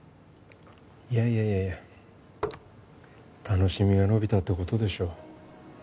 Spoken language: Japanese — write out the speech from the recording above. いやいやいやいや楽しみが延びたってことでしょ